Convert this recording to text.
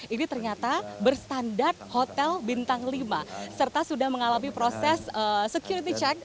ini ternyata berstandar hotel bintang lima serta sudah mengalami proses security check